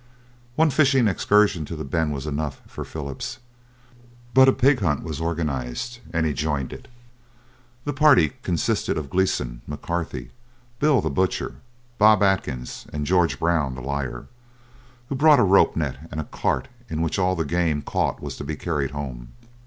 One fishing excursion to the bend was enough for Philip, but a pig hunt was organised, and he joined it. The party consisted of Gleeson, McCarthy, Bill the Butcher, Bob Atkins, and George Brown the Liar, who brought a rope net and a cart in which all the game caught was to be carried home.